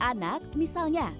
seperti anak misalnya